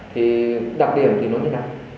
thì đặc điểm thì nó như thế nào